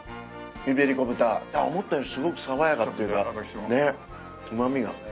イベリコ豚思ったよりすごく爽やかっていうかねえうまみが。